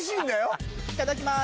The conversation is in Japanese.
いただきます。